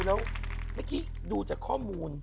แล้วเมื่อกี้ดูจากข้อมูล